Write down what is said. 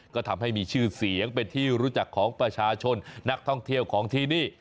ก็ทำให้มีชื่อเสียงเป็นที่รู้จักของประชาชนนักท่องเที่ยวของที่นี่